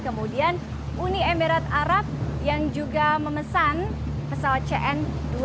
kemudian uni emirat arab yang juga memesan pesawat cn dua ratus dua puluh